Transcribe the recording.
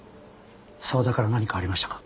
沢田から何かありましたか？